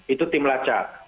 itu tim lacak